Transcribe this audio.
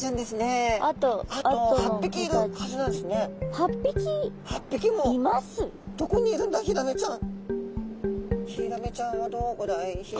えどこにいるんだろう。